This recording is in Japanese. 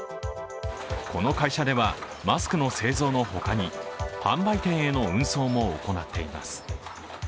この会社ではマスクの製造のほかに、販売店への運送も行っています。